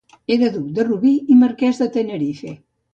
Era duc de Rubí i marquès de Tenerife.